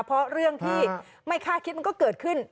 เพราะเรื่องที่ไม่คาดคิดมันก็เกิดขึ้น